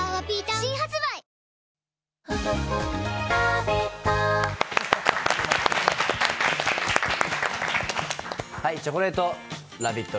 新発売チョコレートラヴィット！